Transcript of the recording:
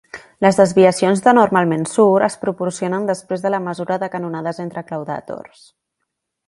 Les desviacions de Normalmensur es proporcionen després de la mesura de canonades entre claudàtors.